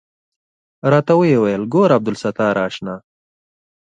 راته ويې ويل ګوره عبدالستاره اشنا.